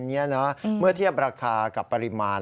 เมื่อเทียบราคากับปริมาณ